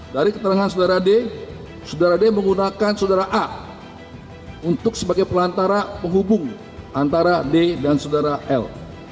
dari keterangan sudara d sudara d menggunakan sudara a untuk sebagai pelantara penghubung antara d dan sudara l